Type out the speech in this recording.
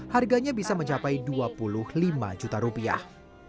harganya bisa mencapai dua puluh lima juta rupiah